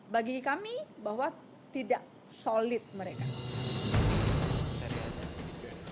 bagi kami bahwa tidak solid mereka